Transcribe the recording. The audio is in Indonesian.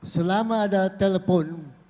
selama ada telepon